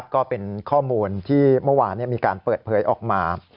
ก็เป็นข้อมูลที่เมื่อวานมีการเปิดเผยออกมา